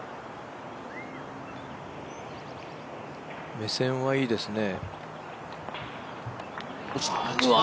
目線はいいですね。